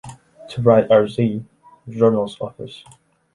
To write RZ, journal’s office.